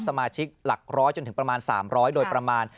สมาชิกหลักร้อยจนถึงประมาณ๓๐๐โดยประมาณ